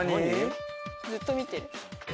ずっと見てる。